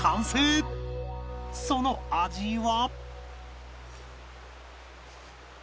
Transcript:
その味は